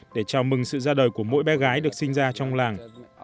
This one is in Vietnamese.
để chào mừng sự ra đời của mỗi bé gái được sinh ra trong làng